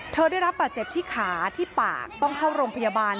ได้รับบาดเจ็บที่ขาที่ปากต้องเข้าโรงพยาบาล